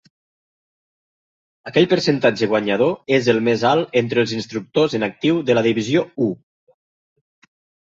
Aquell percentatge guanyador és el més alt entre els instructors en actiu de la Divisió I.